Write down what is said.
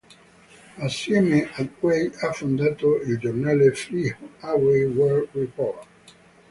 Assieme ad Huey ha fondato il giornale "Free Huey World Report".